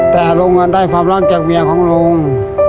แต่ลุงก็ได้ฟับรักจากเวียงของลุง